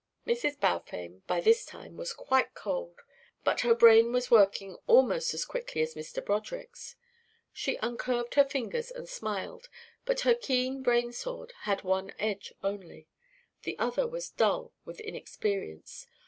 Mrs. Balfame by this time was quite cold, but her brain was working almost as quickly as Mr. Broderick's. She uncurved her fingers and smiled. But her keen brain sword had one edge only; the other was dull with inexperience.